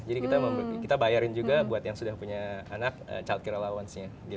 jadi kita bayarin juga buat yang sudah punya anak childcare allowance nya